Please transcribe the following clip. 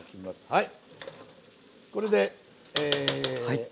はい。